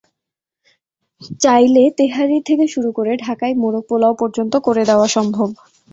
চাইলে তেহারি থেকে শুরু করে ঢাকাই মোরগ-পোলাও পর্যন্ত করে দেওয়া সম্ভব।